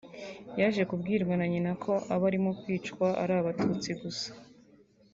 yaje kubwirwa na nyina ko abarimo kwicwa ari Abatutsi gusa